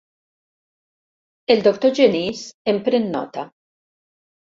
El doctor Genís en pren nota.